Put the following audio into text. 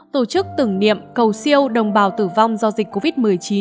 tổ chức tưởng niệm cầu siêu đồng bào tử vong do dịch covid một mươi chín